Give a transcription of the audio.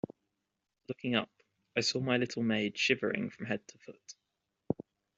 Looking up, I saw my little maid shivering from head to foot.